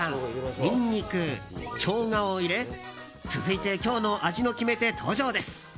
ニンニク、ショウガを入れ続いて今日の味の決め手登場です。